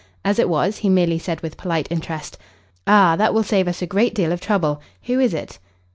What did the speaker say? As it was he merely said with polite interest "Ah, that will save us a great deal of trouble. Who is it?"